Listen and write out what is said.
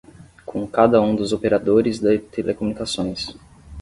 com cada um dos operadores de telecomunicações.